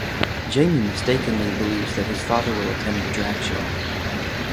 Jamie mistakenly believes that his father will attend the drag show.